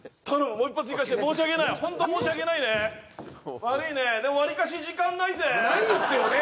もう一発いかせて申し訳ないホント申し訳ないね悪いねでもわりかし時間ないぜないんすよね？